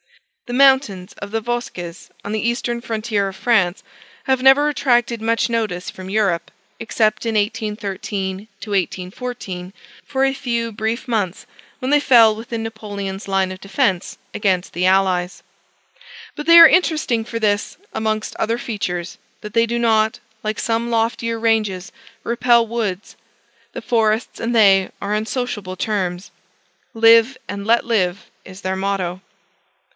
The mountains of the Vosges on the eastern frontier of France, have never attracted much notice from Europe, except in 1813 14, for a few brief months, when they fell within Napoleon's line of defence against the Allies. But they are interesting for this, amongst other features that they do not, like some loftier ranges, repel woods: the forests and they are on sociable terms. Live and let live is their motto.